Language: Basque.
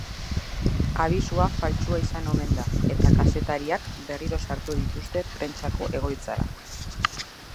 Abisua faltsua izan omen da eta kazetariak berriro sartu dituzte prentsako egoitzara.